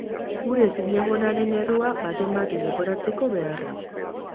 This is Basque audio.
Gure ezinegonaren errua baten bati leporatzeko beharra.